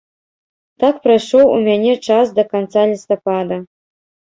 Так прайшоў у мяне час да канца лістапада.